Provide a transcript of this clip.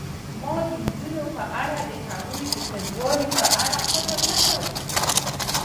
ما د نجونو په اړه دهغو د ښځوالي له پلوه فکر نه کاوه.